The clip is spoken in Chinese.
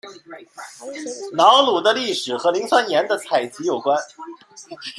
瑙鲁的历史和磷酸盐的采集有关。